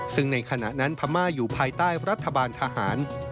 ซึ่งในขณะนั้นพม่าอยู่ภายใต้รัฐบาลทหาร